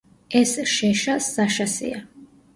ეს შეშა საშასია